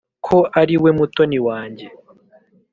ko ariwe mutoni wanjye